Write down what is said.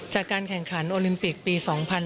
จากการแข่งขันโอลิมปิกปี๒๐๑๖